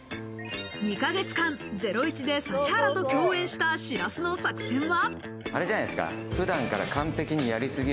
２か月間、『ゼロイチ』で指原と共演した白洲の作戦は。